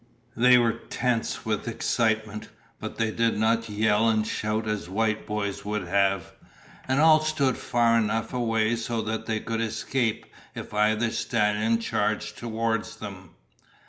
They were tense with excitement, but they did not yell and shout as white boys would have. And all stood far enough away so that they could escape if either stallion charged toward them.